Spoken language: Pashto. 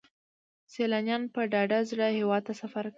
سیلانیان په ډاډه زړه هیواد ته سفر کوي.